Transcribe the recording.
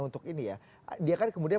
untuk ini ya dia kan kemudian